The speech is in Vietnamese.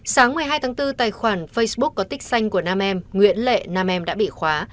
sáng một mươi hai tháng bốn tài khoản facebook có tích xanh của nam em nguyễn lệ nam em đã bị khóa